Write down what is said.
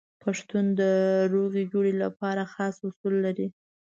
پښتون د روغې جوړې لپاره خاص اصول لري.